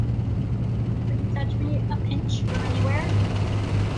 Could you fetch me a pinch from anywhere?